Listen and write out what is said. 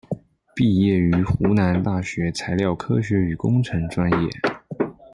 毕业于湖南大学材料科学与工程专业。